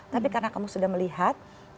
tapi karena kamu sudah melihat